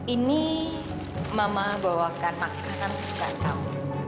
ini mama bawakan makanan suka kamu